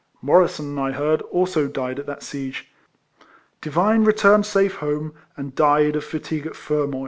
Morrisson, I heard, also died at that siege. Divine returned safe home, and died of fatigue at Fermoy.